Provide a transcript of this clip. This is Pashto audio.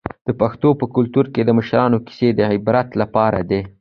د پښتنو په کلتور کې د مشرانو کیسې د عبرت لپاره دي.